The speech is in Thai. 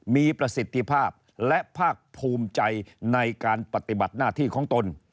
มีประสิทธิภาพและภาคภูมิใจในการปฏิบัติหน้าที่ของตน